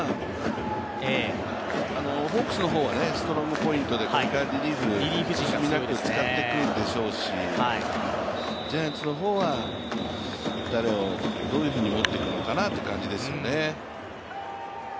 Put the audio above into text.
ホークスの方はストロングポイントでこれからリリーフをうまく使ってくるでしょうし、ジャイアンツの方は誰をどういうふうに持っていくのかなという感じですよね。